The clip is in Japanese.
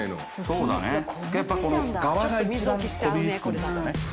そうだねやっぱこのがわが一番こびりつくんですかね